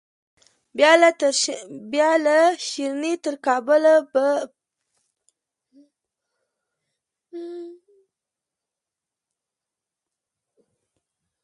بيا له ښرنې تر کابله په بله سراچه کښې ولاړو.